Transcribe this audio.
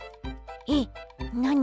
えっなに？